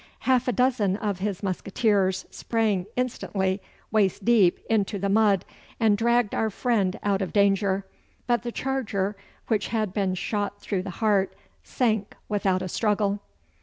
Half a dozen of his musqueteers sprang instantly, waist deep, into the mud, and dragged our friend out of danger, but the charger, which had been shot through the heart, sank without a struggle.